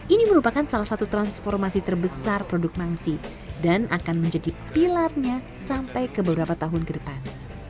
ini merupakan salah satu transformasi terbesar produk mangsi dan akan menjadi pilarnya sampai ke beberapa tahun ke depan